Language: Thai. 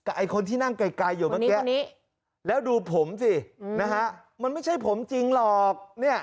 กับคนที่นั่งไกลอยู่เหมือนกันแล้วดูผมซิมันไม่ใช่ผมจริงหรอก